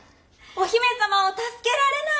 お姫様を助けられない！